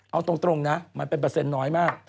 เอาตรงนะมันเป็นเปอร์เซ็นต์น้อยมาก